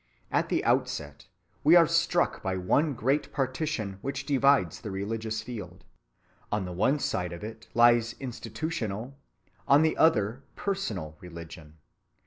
At the outset we are struck by one great partition which divides the religious field. On the one side of it lies institutional, on the other personal religion.